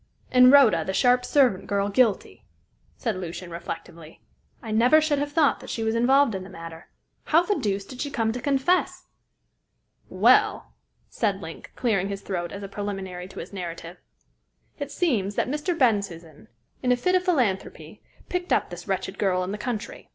"And Rhoda, the sharp servant girl, guilty," said Lucian, reflectively. "I never should have thought that she was involved in the matter. How the deuce did she come to confess?" "Well," said Link, clearing his throat as a preliminary to his narrative, "it seems that Mr. Bensusan, in a fit of philanthropy, picked up this wretched girl in the country.